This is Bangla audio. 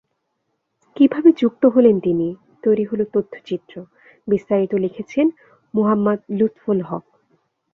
কীভাবে যুক্ত হলেন তিনি, তৈরি হলো তথ্যচিত্র—বিস্তারিত লিখেছেন মুহাম্মদ লুৎফুল হক।